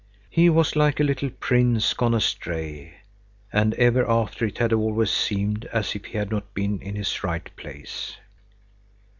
He was like a little prince gone astray. And ever after it had always seemed as if he had not been in his right place.